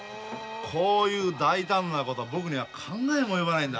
こういう大胆なことは僕には考えも及ばないんだ。